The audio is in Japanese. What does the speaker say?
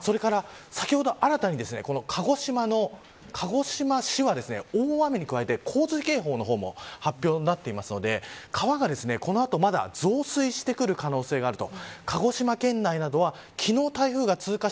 先ほど新たに鹿児島の鹿児島市は大雨に加えて洪水警報の方も発表になっていますので川が、この後も増水してくる可能性があると。